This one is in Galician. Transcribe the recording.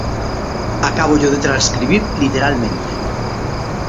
Acábollo de transcribir literalmente.